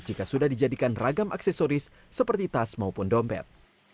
jika sudah dijadikan ragam aksesoris seperti tas maupun dompet